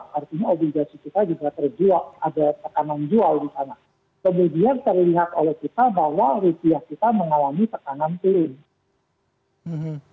kemudian terlihat oleh kita bahwa rupiah kita mengalami tekanan turun